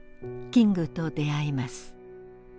キングと出会います。